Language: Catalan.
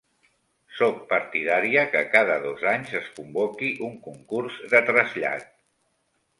Soc partidària que cada dos anys es convoqui un concurs de trasllat.